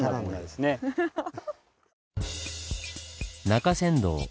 中山道。